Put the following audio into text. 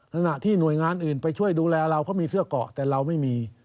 ขณะที่หน่วยงานอื่นไปช่วยดูแลเราเขามีเสื้อเกาะแต่เราไม่มี